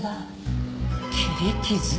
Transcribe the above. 切り傷？